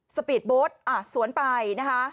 สปีดโบปต์อ้าวสวนไปนะคะ